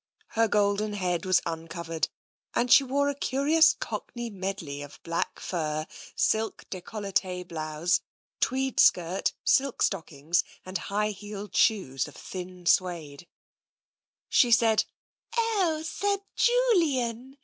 Her golden head was uncovered, and she wore a curious cockney medley of black fur, silk decollete blouse, tweed skirt, silk stockings, and high heeled shoes of thin suede. 100 TENSION loi • She said, " Oh, Sir Julian